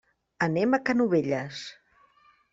Anem a Canovelles.